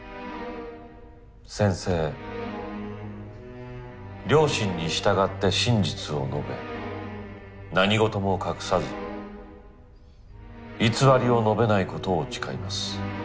「宣誓良心に従って真実を述べ何事も隠さず偽りを述べないことを誓います」。